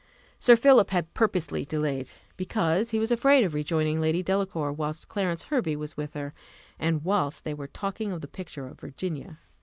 Sir Philip had purposely delayed, because he was afraid of rejoining Lady Delacour whilst Clarence Hervey was with her, and whilst they were talking of the picture of Virginia.